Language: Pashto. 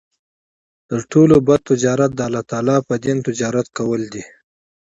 تر ټولو بَد تجارت د الله تعالی په دين تجارت کول دی